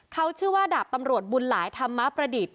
เขาชื่อว่าดาบตำรวจบุญหลายธรรมประดิษฐ์